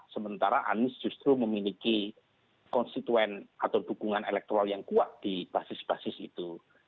sementara anies justru memiliki konstituen atau dukungan elektoral yang kuat di basis basis itu